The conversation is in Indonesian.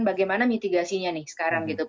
bagaimana mitigasinya nih sekarang gitu